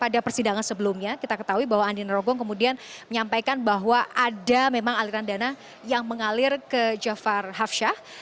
pada persidangan sebelumnya kita ketahui bahwa andi narogong kemudian menyampaikan bahwa ada memang aliran dana yang mengalir ke jafar hafsyah